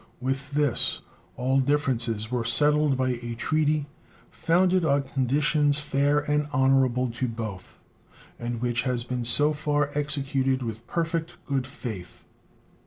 With this all differences were settled by a treaty, founded on conditions fair and honorable to both, and which has been so far executed with perfect good faith.